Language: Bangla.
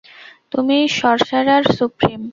তুমি সর্সারার সুপ্রিম।